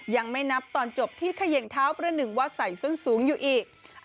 ยังไม่นับตอนจบที่เขย่งเท้าประหนึ่งว่าใส่ส้นสูงอยู่อีก